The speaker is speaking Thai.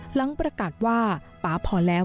หลังประกาศว่าป๊าพอแล้ว